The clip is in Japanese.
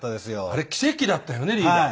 あれ奇跡だったよねリーダー。